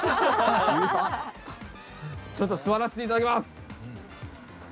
ちょっと座らせて頂きます。